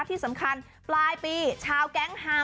ที่สำคัญปลายปีชาวแก๊งฮา